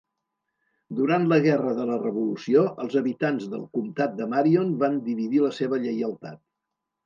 Durant la Guerra de la Revolució, els habitants del comtat de Marion van dividir la seva lleialtat.